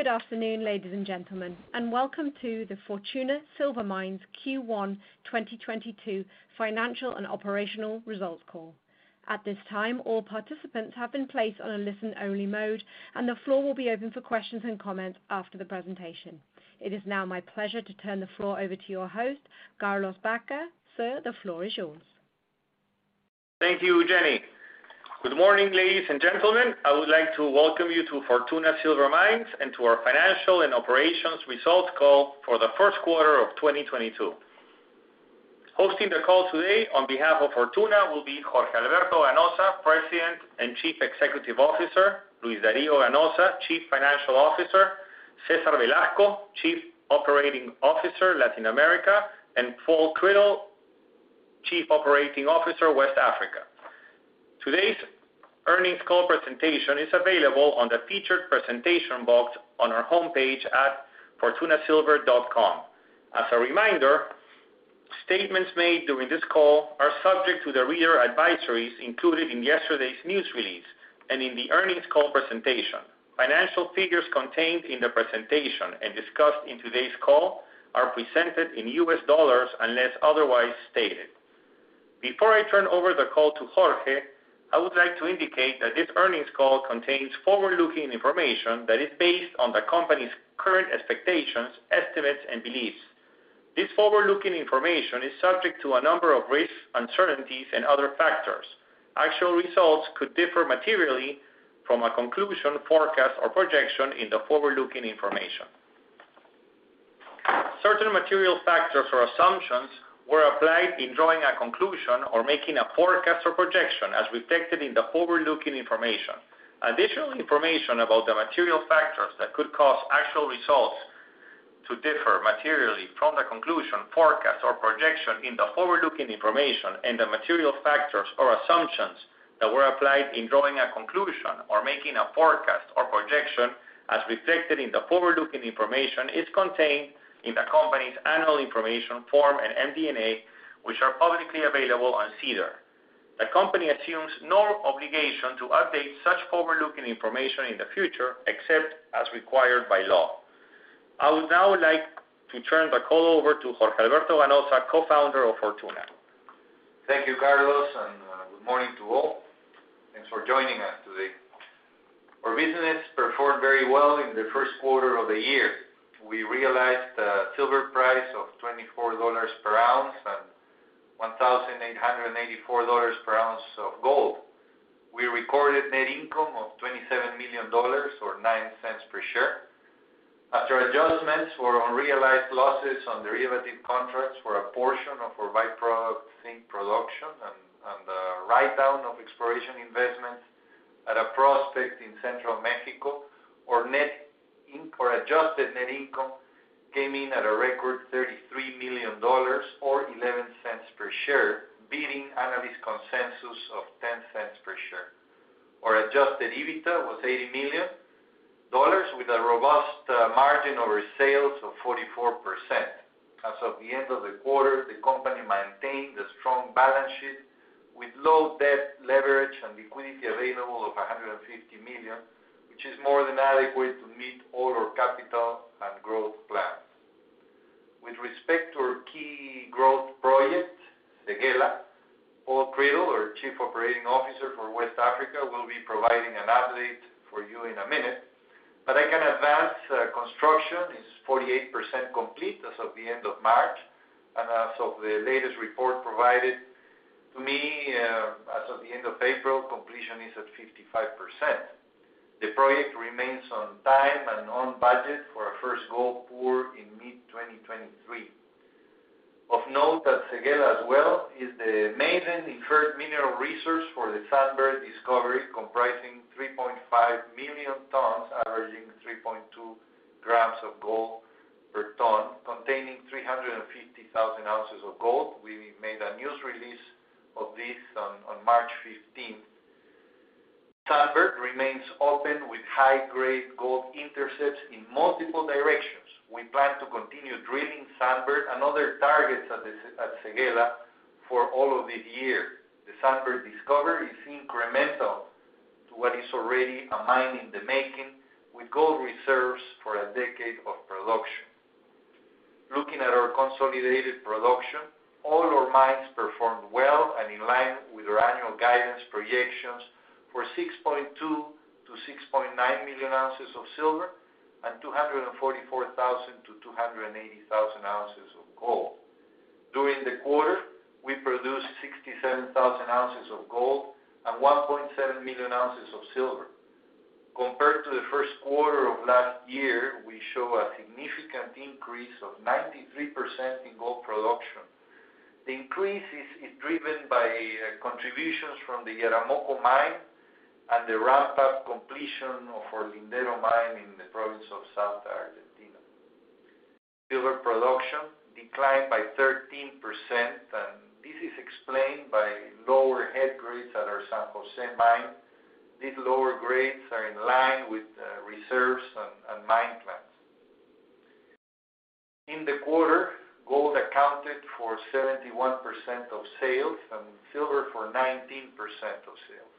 Good afternoon, ladies and gentlemen, and welcome to the Fortuna Silver Mines Q1 2022 Financial and Operational Results Call. At this time, all participants have been placed on a listen-only mode, and the floor will be open for questions and comments after the presentation. It is now my pleasure to turn the floor over to your host, Carlos Baca. Sir, the floor is yours. Thank you, Jenny. Good morning, ladies and gentlemen. I would like to welcome you to Fortuna Silver Mines and to our financial and operations results call for the first quarter of 2022. Hosting the call today on behalf of Fortuna will be Jorge Alberto Ganoza, President and Chief Executive Officer, Luis Dario Ganoza, Chief Financial Officer, Cesar Velasco, Chief Operating Officer, Latin America, and Paul Criddle, Chief Operating Officer, West Africa. Today's earnings call presentation is available on the Featured Presentation box on our homepage at fortunasilver.com. As a reminder, statements made during this call are subject to the reader advisories included in yesterday's news release and in the earnings call presentation. Financial figures contained in the presentation and discussed in today's call are presented in U.S. dollars unless otherwise stated. Before I turn over the call to Jorge, I would like to indicate that this earnings call contains forward-looking information that is based on the company's current expectations, estimates, and beliefs. This forward-looking information is subject to a number of risks, uncertainties, and other factors. Actual results could differ materially from a conclusion, forecast, or projection in the forward-looking information. Certain material factors or assumptions were applied in drawing a conclusion or making a forecast or projection as reflected in the forward-looking information. Additional information about the material factors that could cause actual results to differ materially from the conclusion, forecast, or projection in the forward-looking information and the material factors or assumptions that were applied in drawing a conclusion or making a forecast or projection as reflected in the forward-looking information is contained in the company's annual information form and MD&A, which are publicly available on SEDAR. The company assumes no obligation to update such forward-looking information in the future except as required by law. I would now like to turn the call over to Jorge Alberto Ganoza, co-founder of Fortuna. Thank you, Carlos, and good morning to all. Thanks for joining us today. Our business performed very well in the first quarter of the year. We realized a silver price of $24 per ounce and $1,884 per ounce of gold. We recorded net income of $27 million or $0.09 per share. After adjustments were unrealized losses on derivative contracts for a portion of our by-product zinc production and write down of exploration investments at a prospect in Central Mexico, our net or adjusted net income came in at a record $33 million or $0.11 per share, beating analyst consensus of $0.10 per share. Our adjusted EBITDA was $80 million with a robust margin over sales of 44%. As of the end of the quarter, the company maintained a strong balance sheet with low debt leverage and liquidity available of $150 million, which is more than adequate to meet all our capital and growth plans. With respect to our key growth project, Séguéla, Paul Criddle, our Chief Operating Officer for West Africa, will be providing an update for you in a minute. Construction is 48% complete as of the end of March. As of the latest report provided to me, as of the end of April, completion is at 55%. The project remains on time and on budget for a first gold pour in mid-2023. Of note at Séguéla as well is the maiden inferred mineral resource for the Sunbird discovery, comprising 3.5 million tons, averaging 3.2 grams of gold per ton, containing 350,000 ounces of gold. We made a news release of this on March fifteenth. Sunbird remains open with high-grade gold intercepts in multiple directions. We plan to continue drilling Sunbird and other targets at Séguéla for all of this year. The Sunbird discovery is incremental to what is already a mine in the making with gold reserves for a decade of production. Looking at our consolidated production, all our mines performed well and in line with our annual guidance projections for 6.2-6.9 million ounces of silver and 244,000-280,000 ounces of gold. During the quarter, we produced 67,000 ounces of gold and 1.7 million ounces of silver. Compared to the first quarter of last year, we show a significant increase of 93% in gold production. The increase is driven by contributions from the Yaramoko mine and the ramp-up completion of our Lindero mine in the province of Salta, Argentina. Silver production declined by 13%, and this is explained by lower head grades at our San Jose mine. These lower grades are in line with reserves and mine plan. In the quarter, gold accounted for 71% of sales and silver for 19% of sales.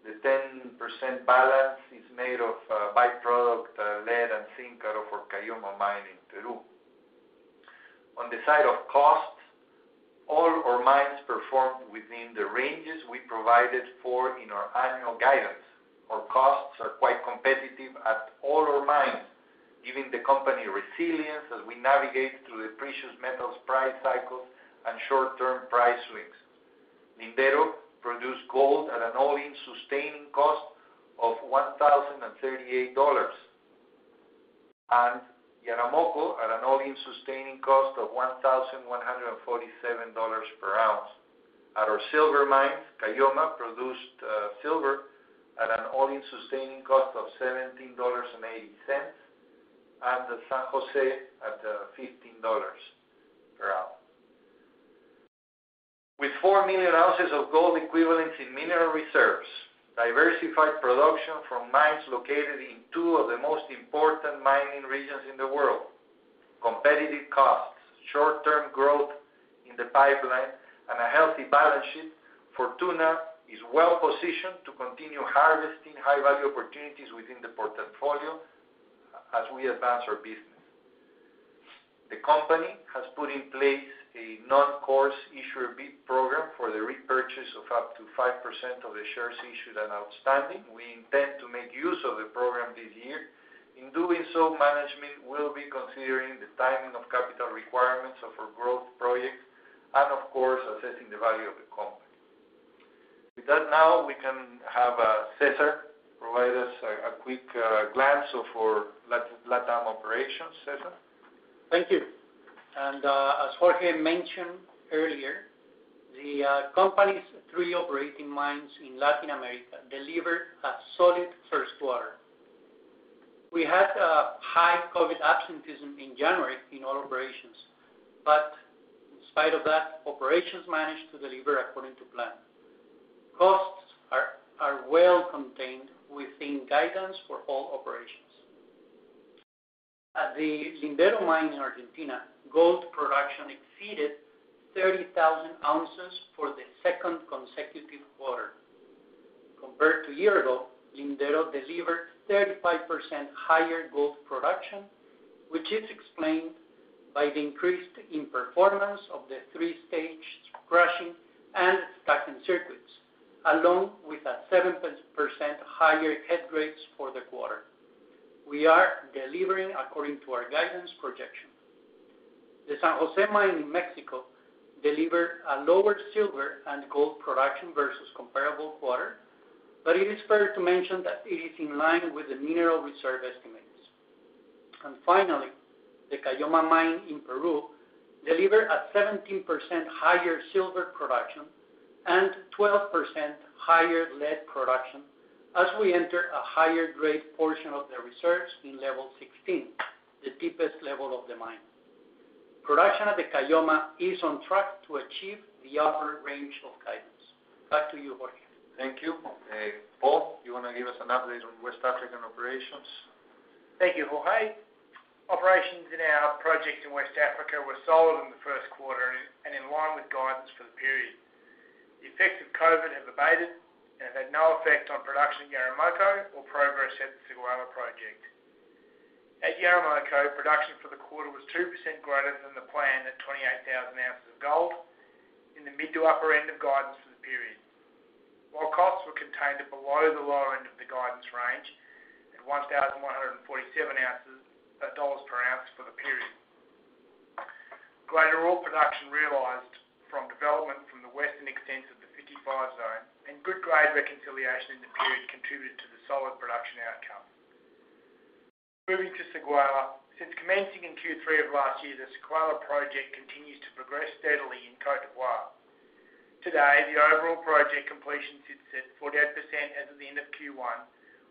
The 10% balance is made of by-product lead and zinc out of our Caylloma Mine in Peru. On the side of costs, all our mines performed within the ranges we provided for in our annual guidance. Our costs are quite competitive at all our mines, giving the company resilience as we navigate through the precious metals price cycles and short-term price swings. Lindero produced gold at an all-in sustaining cost of $1,038. Yaramoko, at an all-in sustaining cost of $1,147 per ounce. At our silver mines, Caylloma produced silver at an all-in sustaining cost of $17.80, and the San Jose at fifteen dollars per ounce. With 4 million ounces of gold equivalents in mineral reserves, diversified production from mines located in two of the most important mining regions in the world, competitive costs, short-term growth in the pipeline, and a healthy balance sheet, Fortuna is well positioned to continue harvesting high-value opportunities within the portfolio as we advance our business. The company has put in place a normal course issuer bid program for the repurchase of up to 5% of the shares issued and outstanding. We intend to make use of the program this year. In doing so, management will be considering the timing of capital requirements of our growth projects and of course, assessing the value of the company. With that now, we can have Cesar provide us a quick glance of our LatAm operations. Cesar? Thank you. As Jorge mentioned earlier, the company's three operating mines in Latin America delivered a solid first quarter. We had a high COVID absenteeism in January in all operations, but in spite of that, operations managed to deliver according to plan. Costs are well contained within guidance for all operations. At the Lindero Mine in Argentina, gold production exceeded 30,000 ounces for the second consecutive quarter. Compared to a year ago, Lindero delivered 35% higher gold production, which is explained by the increase in performance of the three-stage crushing and stacking circuits, along with a 7% higher head grades for the quarter. We are delivering according to our guidance projection. The San José Mine in Mexico delivered a lower silver and gold production versus comparable quarter, but it is fair to mention that it is in line with the mineral reserve estimates. Finally, the Caylloma Mine in Peru delivered a 17% higher silver production and 12% higher lead production as we enter a higher grade portion of the reserves in level 16, the deepest level of the mine. Production at the Caylloma is on track to achieve the upper range of guidance. Back to you, Jorge. Thank you. Paul, you wanna give us an update on West African operations? Thank you, Jorge. Operations in our project in West Africa were solid in the first quarter and in line with guidance for the period. The effects of COVID have abated and had no effect on production at Yaramoko or progress at the Séguéla project. At Yaramoko, production for the quarter was 2% greater than the plan at 28,000 ounces of gold in the mid to upper end of guidance for the period. While costs were contained at below the lower end of the guidance range at $1,147 per ounce for the period. Greater ore production realized from development from the western extent of the 55 Zone and good grade reconciliation in the period contributed to the solid production outcome. Moving to Séguéla. Since commencing in Q3 of last year, the Séguéla project continues to progress steadily in Côte d'Ivoire. Today, the overall project completion sits at 48% as of the end of Q1,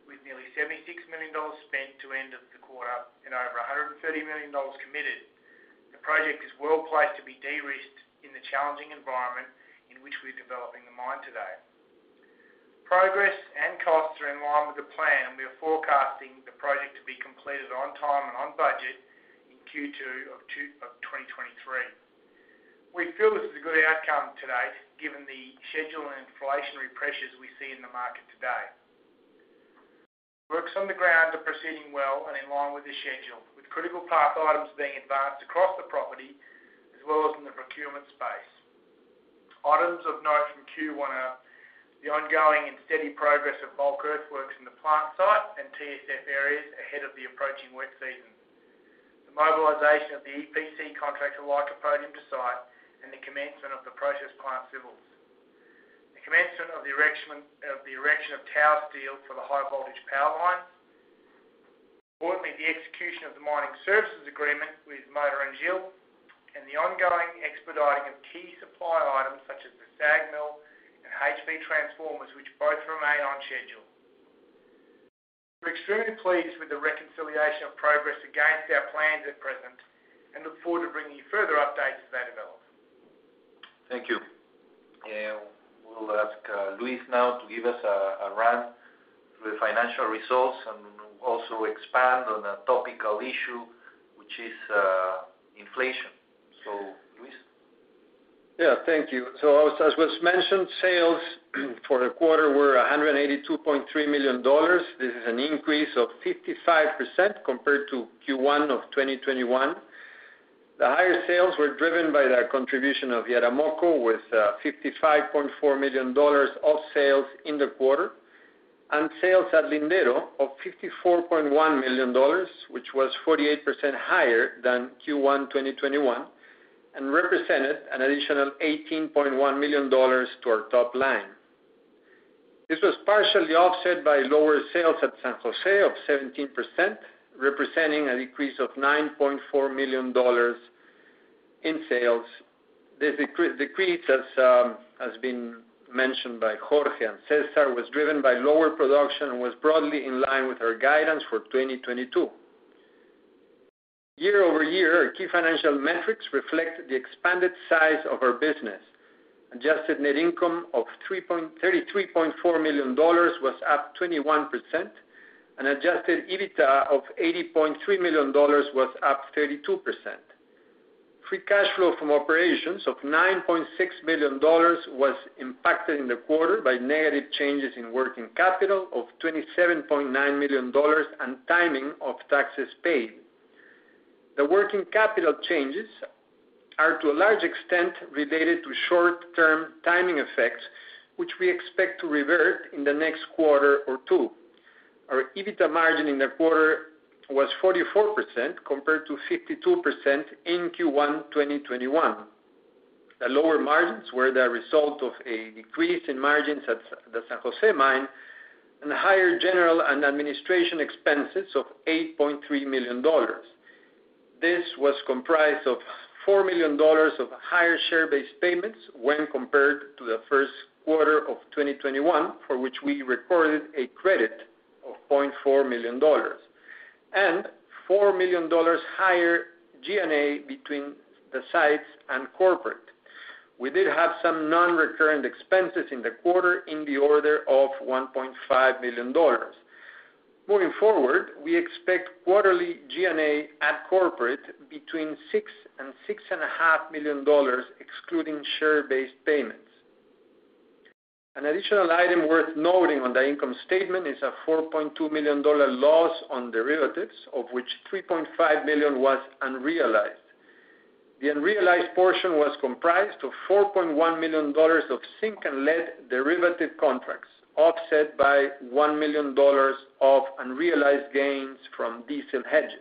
with nearly $76 million spent to end of the quarter and over $130 million committed. The project is well placed to be de-risked in the challenging environment in which we're developing the mine today. Progress and costs are in line with the plan, and we are forecasting the project to be completed on time and on budget in Q2 of 2023. We feel this is a good outcome to date, given the scheduling and inflationary pressures we see in the market today. Works on the ground are proceeding well and in line with the schedule, with critical path items being advanced across the property as well as in the procurement space. Items of note from Q1 are the ongoing and steady progress of bulk earthworks in the plant site and TSF areas ahead of the approaching wet season. The mobilization of the EPC contract with Lycopodium to site and the commencement of the process plant civils. The commencement of the erection of tower steel for the high voltage power lines. Importantly, the execution of the mining services agreement with Mota-Engil, and the ongoing expediting of key supply items such as the SAG mill and HV transformers, which both remain on schedule. We're extremely pleased with the reconciliation of progress against our plans at present and look forward to bringing you further updates as they develop. Thank you. I'll ask Luis now to give us a run through the financial results and also expand on a topical issue which is inflation. Luis? Yeah, thank you. As was mentioned, sales for the quarter were $182.3 million. This is an increase of 55% compared to Q1 of 2021. The higher sales were driven by the contribution of Yaramoko with $55.4 million of sales in the quarter, and sales at Lindero of $54.1 million, which was 48% higher than Q1 2021, and represented an additional $18.1 million to our top line. This was partially offset by lower sales at San Jose of 17%, representing a decrease of $9.4 million in sales. This decrease has been mentioned by Jorge and Cesar was driven by lower production and was broadly in line with our guidance for 2022. Year-over-year, our key financial metrics reflect the expanded size of our business. Adjusted net income of $33.4 million was up 21%. An adjusted EBITDA of $80.3 million was up 32%. Free cash flow from operations of $9.6 million was impacted in the quarter by negative changes in working capital of $27.9 million and timing of taxes paid. The working capital changes are to a large extent related to short-term timing effects, which we expect to revert in the next quarter or two. Our EBITDA margin in the quarter was 44% compared to 52% in Q1 2021. The lower margins were the result of a decrease in margins at the San Jose mine and higher general and administration expenses of $8.3 million. This was comprised of $4 million of higher share-based payments when compared to the first quarter of 2021, for which we recorded a credit of $0.4 million and $4 million higher G&A between the sites and corporate. We did have some non-recurring expenses in the quarter in the order of $1.5 million. Moving forward, we expect quarterly G&A at corporate between $6 million and $6.5 million, excluding share-based payments. An additional item worth noting on the income statement is a $4.2 million loss on derivatives, of which $3.5 million was unrealized. The unrealized portion was comprised of $4.1 million of zinc and lead derivative contracts, offset by $1 million of unrealized gains from diesel hedges.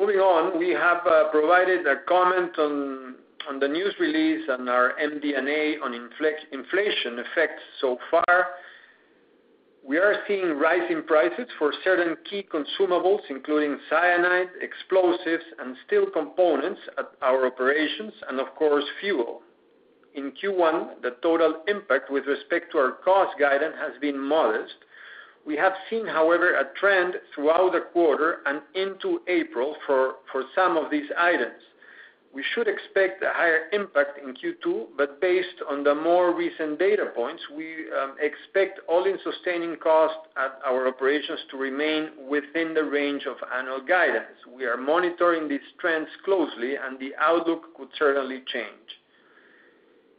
Moving on, we have provided a comment on the news release and our MD&A on inflation effects so far. We are seeing rising prices for certain key consumables, including cyanide, explosives, and steel components at our operations and of course, fuel. In Q1, the total impact with respect to our cost guidance has been modest. We have seen, however, a trend throughout the quarter and into April for some of these items. We should expect a higher impact in Q2, but based on the more recent data points, we expect all-in sustaining costs at our operations to remain within the range of annual guidance. We are monitoring these trends closely and the outlook could certainly change.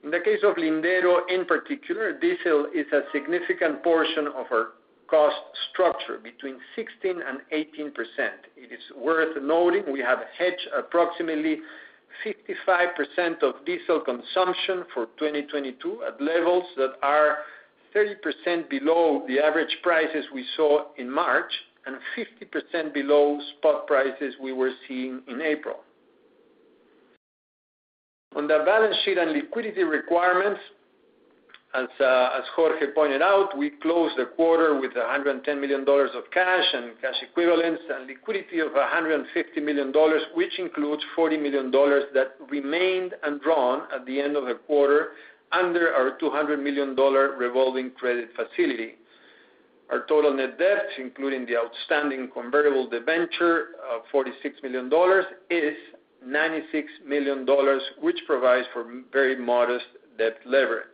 In the case of Lindero, in particular, diesel is a significant portion of our cost structure between 16% and 18%. It is worth noting we have hedged approximately 55% of diesel consumption for 2022 at levels that are 30% below the average prices we saw in March and 50% below spot prices we were seeing in April. On the balance sheet and liquidity requirements, as Jorge pointed out, we closed the quarter with $110 million of cash and cash equivalents and liquidity of $150 million, which includes $40 million that remained undrawn at the end of the quarter under our $200 million revolving credit facility. Our total net debt, including the outstanding convertible debenture of $46 million, is $96 million, which provides for very modest debt leverage.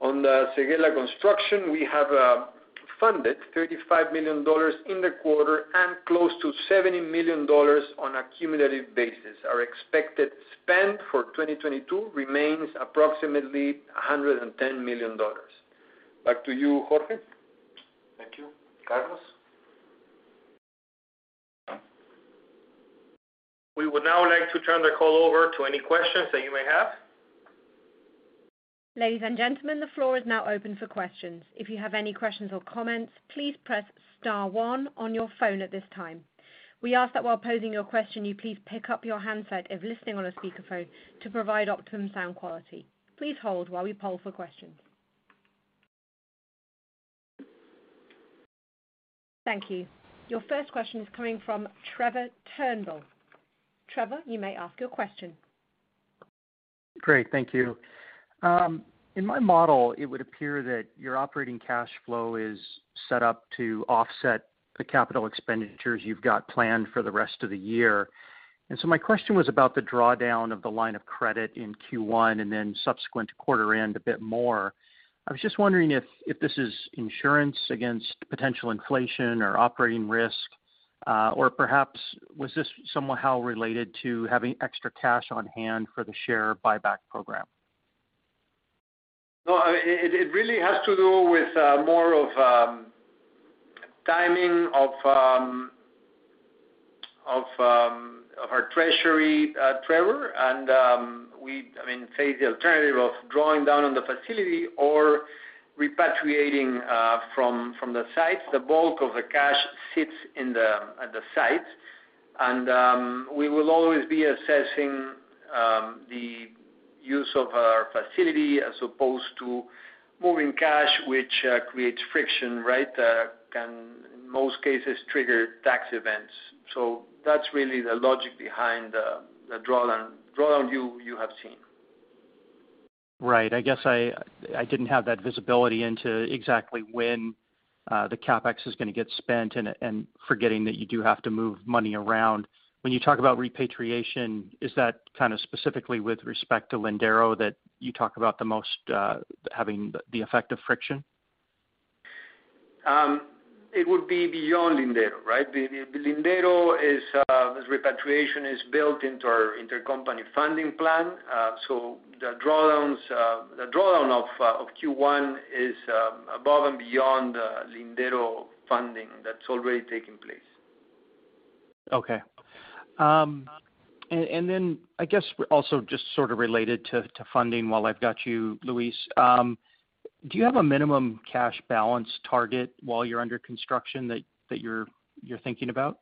On the Séguéla construction, we have funded $35 million in the quarter and close to $70 million on a cumulative basis. Our expected spend for 2022 remains approximately $110 million. Back to you, Jorge. Thank you. Carlos? We would now like to turn the call over to any questions that you may have. Ladies and gentlemen, the floor is now open for questions. If you have any questions or comments, please press star one on your phone at this time. We ask that while posing your question, you please pick up your handset if listening on a speakerphone to provide optimum sound quality. Please hold while we poll for questions. Thank you. Your first question is coming from Trevor Turnbull. Trevor, you may ask your question. Great. Thank you. In my model, it would appear that your operating cash flow is set up to offset the capital expenditures you've got planned for the rest of the year. My question was about the drawdown of the line of credit in Q1 and then subsequent quarter end a bit more. I was just wondering if this is insurance against potential inflation or operating risk, or perhaps was this somehow related to having extra cash on hand for the share buyback program? No, it really has to do with more of timing of our treasury, Trevor. I mean, say the alternative of drawing down on the facility or repatriating from the sites. The bulk of the cash sits at the site. We will always be assessing the use of our facility as opposed to moving cash, which creates friction, right, can in most cases trigger tax events. That's really the logic behind the draw down you have seen. Right. I guess I didn't have that visibility into exactly when the CapEx is gonna get spent and forgetting that you do have to move money around. When you talk about repatriation, is that kind of specifically with respect to Lindero that you talk about the most having the effect of friction? It would be beyond Lindero, right? The Lindero is this repatriation is built into our intercompany funding plan. The drawdown of Q1 is above and beyond the Lindero funding that's already taking place. Okay. Then I guess also just sort of related to funding while I've got you, Luis. Do you have a minimum cash balance target while you're under construction that you're thinking about?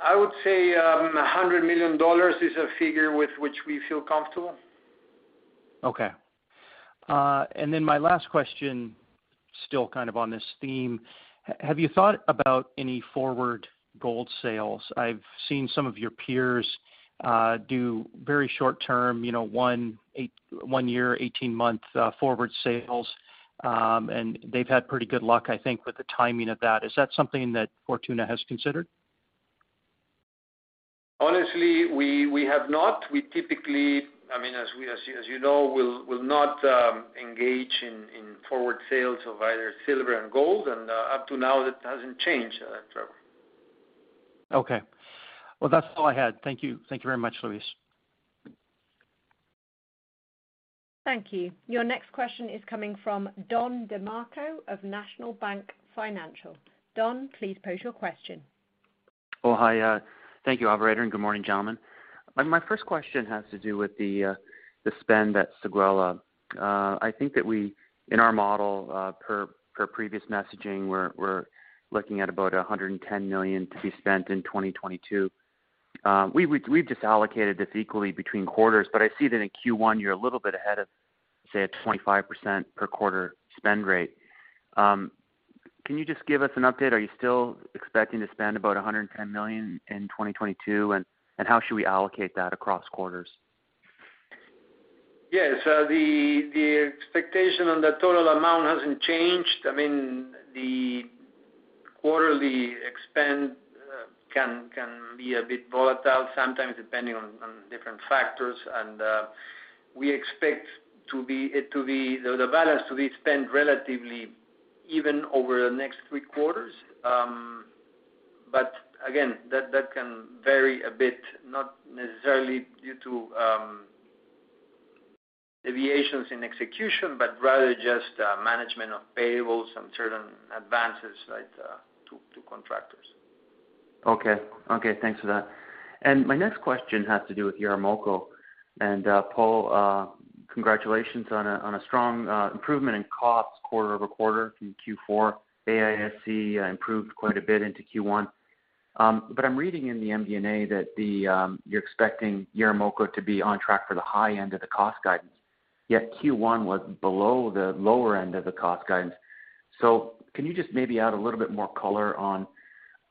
I would say, $100 million is a figure with which we feel comfortable. Okay. My last question, still kind of on this theme. Have you thought about any forward gold sales? I've seen some of your peers do very short term, you know, 1-year, 18-month forward sales. They've had pretty good luck, I think, with the timing of that. Is that something that Fortuna has considered? Honestly, we have not. We typically, I mean, as you know, we'll not engage in forward sales of either silver and gold, and up to now, that hasn't changed, Trevor. Okay. Well, that's all I had. Thank you. Thank you very much, Luis. Thank you. Your next question is coming from Don DeMarco of National Bank Financial. Don, please pose your question. Hi. Thank you, operator, and good morning, gentlemen. My first question has to do with the spend at Séguéla. I think that we in our model per previous messaging we're looking at about $110 million to be spent in 2022. We've just allocated this equally between quarters, but I see that in Q1 you're a little bit ahead of say a 25% per quarter spend rate. Can you just give us an update? Are you still expecting to spend about $110 million in 2022? How should we allocate that across quarters? Yes. The expectation on the total amount hasn't changed. I mean, the quarterly spend can be a bit volatile sometimes depending on different factors. We expect the balance to be spent relatively even over the next three quarters. Again, that can vary a bit, not necessarily due to deviations in execution, but rather just management of payables and certain advances like to contractors. Okay. Thanks for that. My next question has to do with Yaramoko. Paul, congratulations on a strong improvement in costs quarter-over-quarter from Q4. AISC improved quite a bit in Q1. I'm reading in the MD&A that you're expecting Yaramoko to be on track for the high end of the cost guidance, yet Q1 was below the lower end of the cost guidance. Can you just maybe add a little bit more color on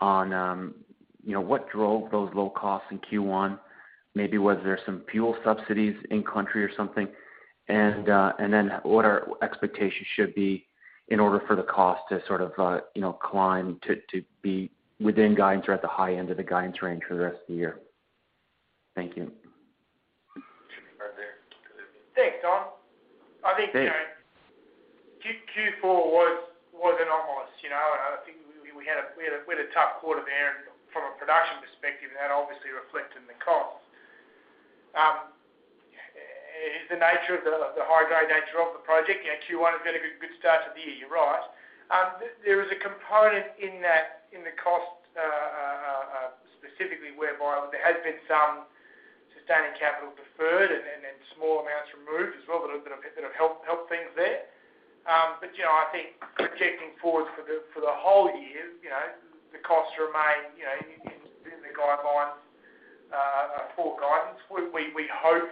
you know, what drove those low costs in Q1? Maybe was there some fuel subsidies in-country or something? Then what our expectations should be in order for the cost to sort of you know, climb to be within guidance or at the high end of the guidance range for the rest of the year? Thank you. Right there. Thanks, Don. Yeah. I think, you know, Q4 was anomalous, you know. I think we had a tough quarter there and from a production perspective, that obviously reflected in the costs. It is the nature of the high grade nature of the project. You know, Q1 has been a good start to the year. You're right. There is a component in that, in the cost, specifically whereby there has been some sustaining capital deferred and then small amounts removed as well that have helped things there. You know, I think projecting forward for the whole year, you know, the costs remain, you know, in the guidelines for guidance. We hope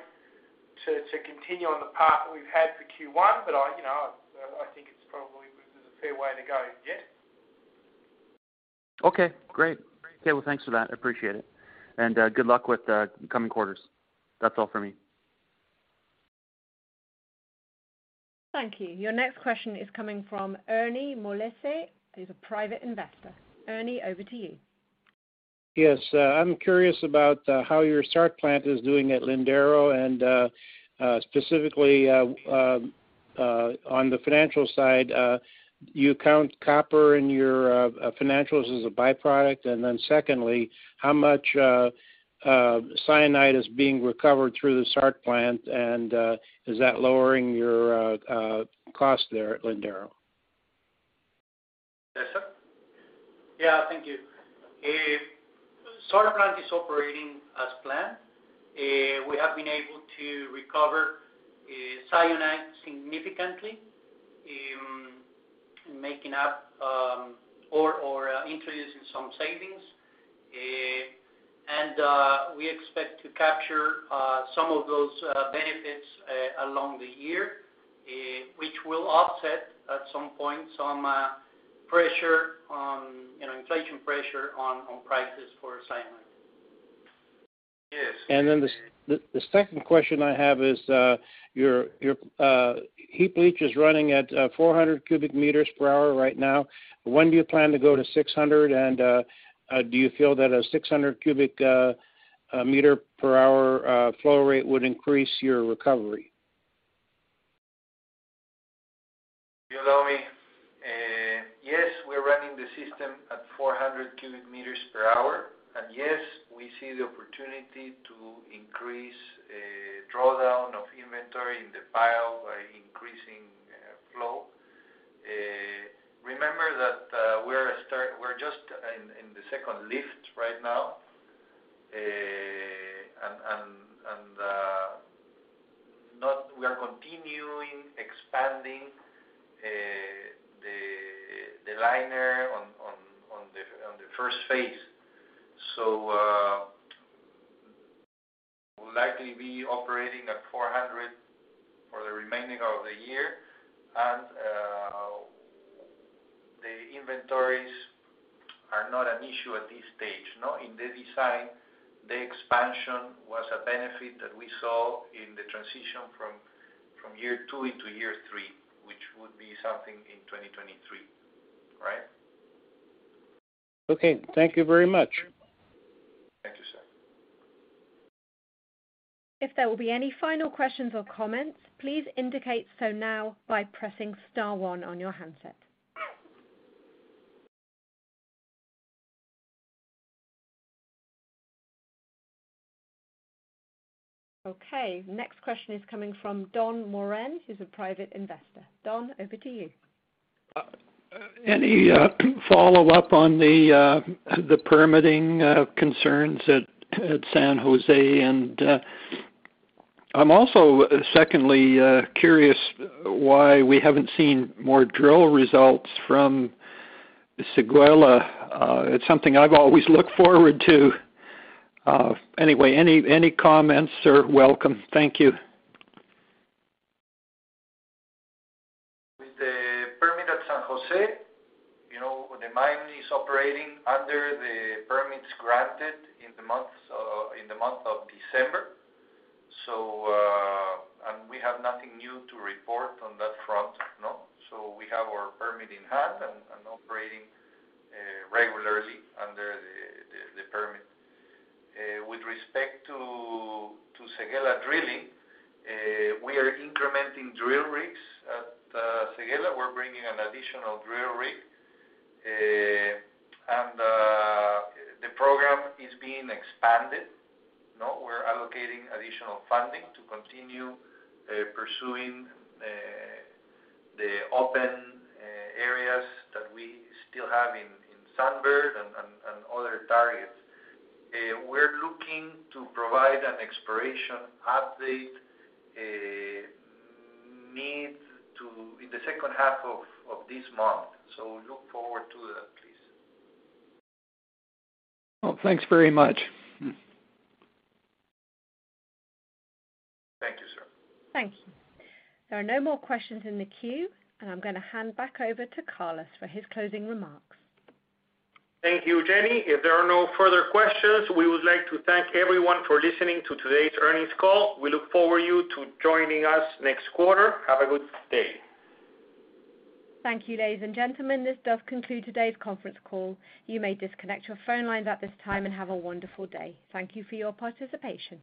to continue on the path that we've had for Q1, but you know, I think it's probably there's a fair way to go yet. Okay, great. Okay, well, thanks for that. I appreciate it. Good luck with the coming quarters. That's all for me. Thank you. Your next question is coming from Ernie Molese. He's a private investor. Ernie, over to you. Yes. I'm curious about how your SART plant is doing at Lindero and specifically on the financial side. You count copper in your financials as a byproduct. Secondly, how much cyanide is being recovered through the SART plant? Is that lowering your cost there at Lindero? Yes, sir. Yeah. Thank you. SART plant is operating as planned. We have been able to recover cyanide significantly in making up or introducing some savings. We expect to capture some of those benefits along the year, which will offset at some point some pressure on, you know, inflation pressure on prices for cyanide. Yes. The second question I have is, your heap leach is running at 400 cubic meters per hour right now. When do you plan to go to 600? Do you feel that a 600 cubic meter per hour flow rate would increase your recovery? If you allow me. Yes, we're running the system at 400 cubic meters per hour. Yes, we see the opportunity to increase drawdown of inventory in the pile by increasing flow. Remember that, we're just in the second lift right now. We're continuing expanding the liner on the first phase. We'll likely be operating at 400 for the remaining of the year. The inventories are not an issue at this stage. No, in the design, the expansion was a benefit that we saw in the transition from year two into year three, which would be something in 2023. Right? Okay. Thank you very much. Thank you, sir. If there will be any final questions or comments, please indicate so now by pressing star one on your handset. Okay, next question is coming from Don Morin, who's a private investor. Don, over to you. Any follow-up on the permitting concerns at San Jose? I'm also secondly curious why we haven't seen more drill results from Séguéla. It's something I've always looked forward to. Anyway, any comments are welcome. Thank you. With the permit at San Jose, you know, the mine is operating under the permits granted in the month of December. We have nothing new to report on that front. No. We have our permit in hand and operating regularly under the permit. With respect to Séguéla drilling, we are incrementing drill rigs at Séguéla. We're bringing an additional drill rig. The program is being expanded. No, we're allocating additional funding to continue pursuing the open areas that we still have in Sunbird and other targets. We're looking to provide an exploration update in the second half of this month. Look forward to that, please. Well, thanks very much. Thank you, sir. Thank you. There are no more questions in the queue, and I'm gonna hand back over to Carlos for his closing remarks. Thank you, Jenny. If there are no further questions, we would like to thank everyone for listening to today's earnings call. We look forward to you joining us next quarter. Have a good day. Thank you, ladies and gentlemen. This does conclude today's conference call. You may disconnect your phone lines at this time and have a wonderful day. Thank you for your participation.